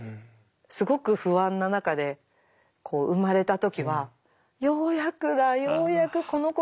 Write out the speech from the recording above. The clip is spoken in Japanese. すごく不安な中で生まれた時は「ようやくだようやくこの子に会いたかったんだ。